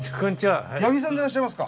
八木さんでいらっしゃいますか？